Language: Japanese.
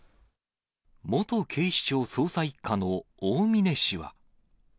元警視庁捜査１課の大峯氏は。